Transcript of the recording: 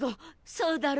そうだろ？